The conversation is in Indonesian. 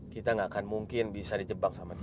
kita tidak akan mungkin bisa di jebak sama dia